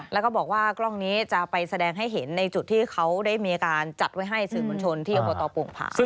แล้วก็บอกว่ากล้องนี้จะไปแสดงให้เห็นในจุดที่เขาได้มีการจัดไว้ให้สื่อมวลชนที่อบตโป่งผา